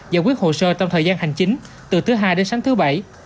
giải quyết hồ sơ trong thời gian hành chính từ thứ hai đến sáng thứ bảy